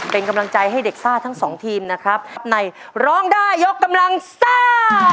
เป็นกำลังใจให้เด็กซ่าทั้งสองทีมนะครับในร้องได้ยกกำลังซ่า